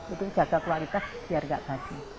itu jaga kualitas biar gak basi